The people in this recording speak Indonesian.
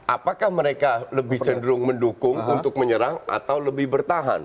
apakah mereka lebih cenderung mendukung untuk menyerang atau lebih bertahan